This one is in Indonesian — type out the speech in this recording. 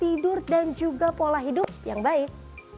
tidur dan juga pola hidup yang baik